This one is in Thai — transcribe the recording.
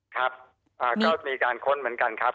ครับก็มีการค้นเหมือนกันครับ